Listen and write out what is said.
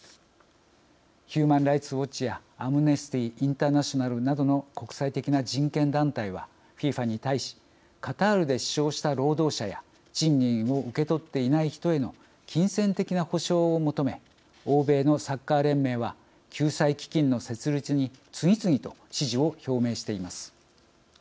ヒューマン・ライツ・ウォッチやアムネスティ・インターナショナルなどの国際的な人権団体はＦＩＦＡに対しカタールで死傷した労働者や賃金を受け取っていない人への金銭的な補償を求め欧米のサッカー連盟は救済基金の設立に次々と支持を表明しています。